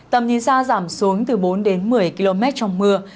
tầm nhìn xa giảm xuống từ bốn đến một mươi km trong mưa